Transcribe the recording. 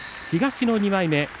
東の２枚目。